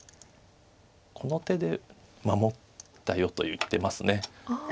この手で守ったよと言ってます。